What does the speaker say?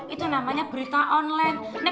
itu namanya berita online